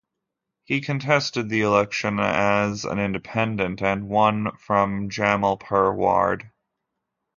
He contested the election as an independent and won from the Jamalpur ward.